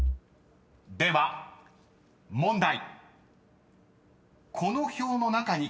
［では問題］